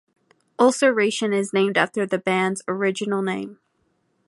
"Ulceration" is named after the band's original name.